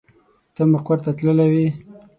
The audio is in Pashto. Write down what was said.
ته مقر ته تللې وې.